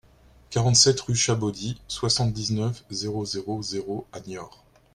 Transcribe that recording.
quarante-sept rue Chabaudy, soixante-dix-neuf, zéro zéro zéro à Niort